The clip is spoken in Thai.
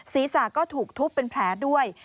ศีรษะก็ถูกทุบเป็นแผลด้วย